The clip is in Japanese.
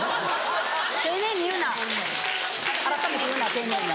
丁寧に言うなあらためて言うな丁寧に。